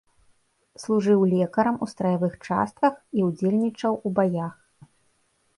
Служыў лекарам у страявых частках і ўдзельнічаў у баях.